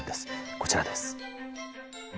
こちらです。